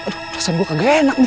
aduh perasaan gua kagak enak nih